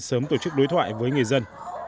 sớm tổ chức đối thoại với người dân